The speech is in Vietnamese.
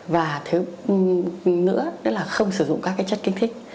và thứ nữa nữa là không sử dụng các cái chất kinh thích